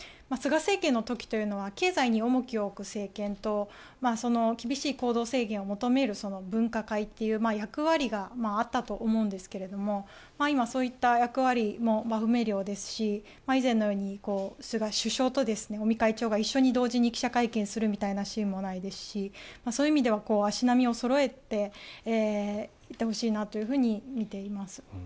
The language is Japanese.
菅政権の時というのは経済に重きを置く政権と厳しい行動制限を求める分科会という役割があったと思うんですが今、そういった役割も不明瞭ですし以前のように首相と尾身会長が一緒に同時に記者会見するみたいなシーンもないですしそういう意味では足並みをそろえていってほしいなと見ています。